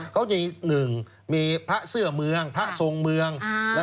เขามีหนึ่งมีพระเสื้อเมืองพระทรงเมือง